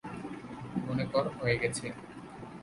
মনে কর হয়ে গেছে!